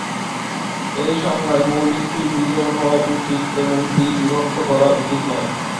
এই সংজ্ঞায়, মৌলিক "পি" বিজোড় হওয়া উচিত এবং "ডি" বিভক্ত করা উচিত নয়।